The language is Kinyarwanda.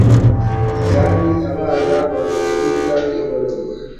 Kandi abana bagukubita inkoni